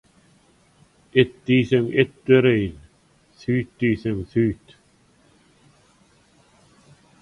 Et diýsеň et bеrеýin, süýt diýsеň süýt.